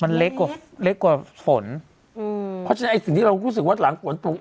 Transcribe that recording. มันเล็กกว่าเล็กกว่าฝนอืมเพราะฉะนั้นไอ้สิ่งที่เรารู้สึกว่าหลังฝนตก